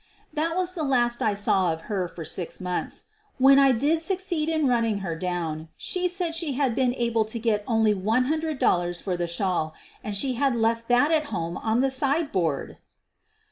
That was the last I saw of her for six months. When I did succeed in running her down she said she had been able to get only $100 for the shawl — and she had left that at home on the sideboard!